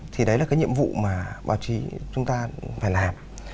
thì đấy là cái nhiệm vụ mà báo chí chúng ta phải làm